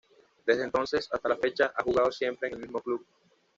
Desde entonces hasta la fecha, ha jugado siempre en el mismo club.